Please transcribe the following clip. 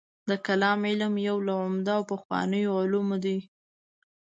د کلام علم یو له عمده او پخوانیو علومو دی.